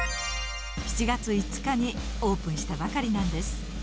７月５日にオープンしたばかりなんです。